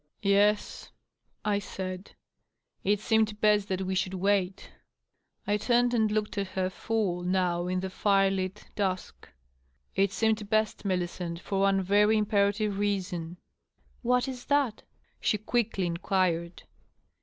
" Yes," I said. " It seemed best that we should wait." I turned and looked at her full, now, in the firelit dusk. " It seemed best, Milli cent, for one very imperative reason." " What is that?" she quickly inquired.